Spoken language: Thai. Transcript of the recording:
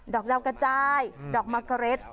ดอกดาวกระจายดอกมากรส